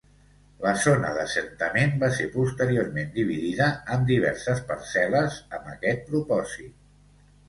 La zona d'assentament va ser posteriorment dividida en diverses parcel·les amb aquest propòsit.